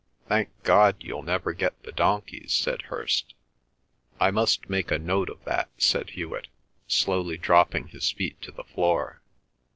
"Thank God, you'll never get the donkeys," said Hirst. "I must make a note of that," said Hewet, slowly dropping his feet to the floor.